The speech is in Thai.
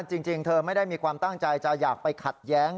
จริงเธอไม่ได้มีความตั้งใจจะอยากไปขัดแย้ง